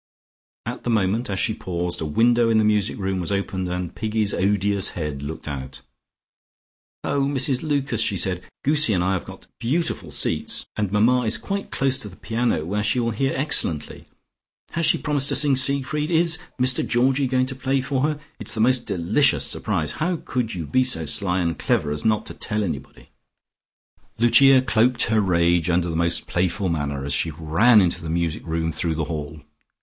At the moment as she paused, a window in the music room was opened, and Piggy's odious head looked out. "Oh, Mrs Lucas," she said. "Goosie and I have got beautiful seats, and Mamma is quite close to the piano where she will hear excellently. Has she promised to sing Siegfried? Is Mr Georgie going to play for her? It's the most delicious surprise; how could you be so sly and clever as not to tell anybody?" Lucia cloaked her rage under the most playful manner, as she ran into the music room through the hall.